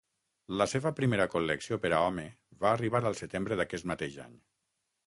La seva primera col·lecció per a home va arribar al setembre d'aquest mateix any.